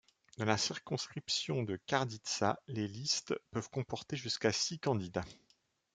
Dans la circonscription de Kardítsa, les listes peuvent comporter jusqu'à six candidats.